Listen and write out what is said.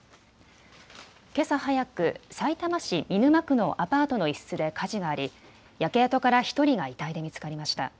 けさ早く、さいたま市見沼区のアパートの一室で火事があり焼け跡から１人が遺体で見つかりました。